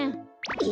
え？